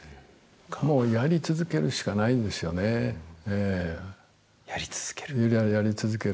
もうやり続けるしかないんですよやり続ける？